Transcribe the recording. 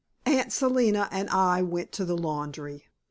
Aunt Selina and I went to the laundry.